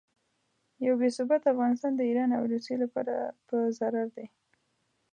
یو بې ثباته افغانستان د ایران او روسیې لپاره په ضرر دی.